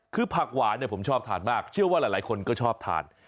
คือผักหวานผมชอบทานมากเชื่อว่าหลายคนก็ชอบทาน